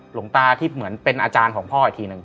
หลวงตาที่เหมือนเป็นอาจารย์ของพ่ออีกทีหนึ่ง